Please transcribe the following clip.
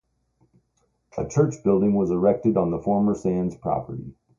A church building was erected on the former Sands property.